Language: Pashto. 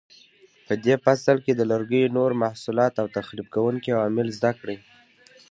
په دې فصل کې د لرګیو نور محصولات او تخریب کوونکي عوامل زده کړئ.